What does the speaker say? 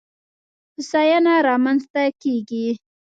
هوساینه رامنځته کېږي.